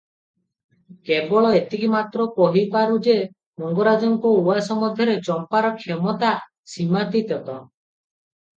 କେବଳ ଏତିକି ମାତ୍ର କହିପାରୁ ଯେ, ମଙ୍ଗରାଜଙ୍କ ଉଆସ ମଧ୍ୟରେ ଚମ୍ପାର କ୍ଷମତା ସୀମାତୀତ ।